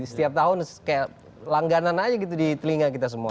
setiap tahun kayak langganan aja gitu di telinga kita semua